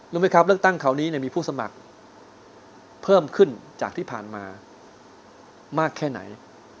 รู้ไหมครับเลือกตั้งคราวนี้มีผู้สมัครเพิ่มขึ้นจากที่ผ่านมามากแค่ไหน